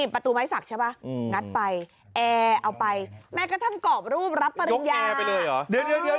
ประตูไม้สักใช่ป่ะงัดไปอ่าเอาไปแม้กระทั่งกรอบรูปรับปริญญา